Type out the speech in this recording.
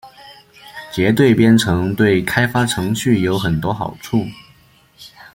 结对编程对开发程序有很多好处。